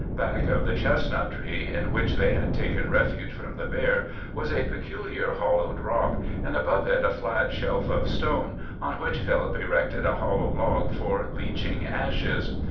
Back of the chestnut tree in which they had taken refuge from the bear was a peculiar hollowed rock, and above it a flat shelf of stone, on which Philip erected a hollow log for leaching ashes.